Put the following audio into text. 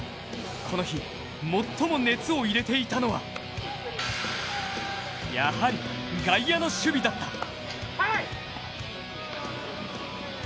この日、最も熱を入れていたのはやはり外野の守備だった。